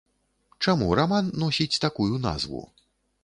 Чаму раман носіць такую назву?